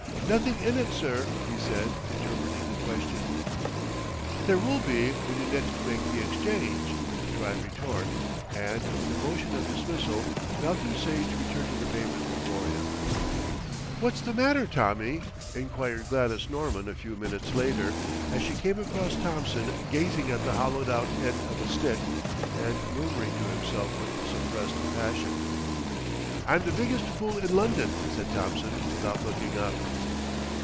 "Nothing in it, sir," he said, interpreting the question. "There will be when you next make the exchange," was the dry retort and, with a motion of dismissal, Malcolm Sage returned to the papers before him. "What's the matter, Tommy?" enquired Gladys Norman a few minutes later, as she came across Thompson gazing at the hollowed out end of a stick, and murmuring to himself with suppressed passion. "I'm the biggest fool in London," said Thompson without looking up.